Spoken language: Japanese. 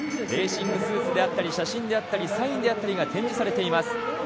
レーシングスーツであったり写真であったりサインであったりが展示されています。